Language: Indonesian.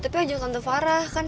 tapi ajak tante farah kan